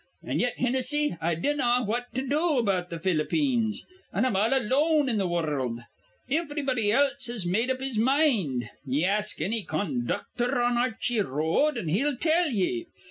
An' yet, Hinnissy, I dinnaw what to do about th' Ph'lippeens. An' I'm all alone in th' wurruld. Ivrybody else has made up his mind. Ye ask anny con ducthor on Ar rchy R road, an' he'll tell ye.